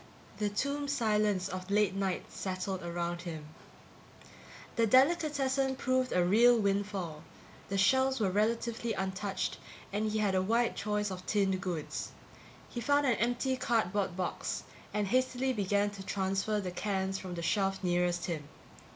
The tomb silence of late night settled around him. The delicatessen proved a real windfall. The shelves were relatively untouched and he had a wide choice of tinned goods. He found an empty cardboard box and hastily began to transfer the cans from the shelf nearest him.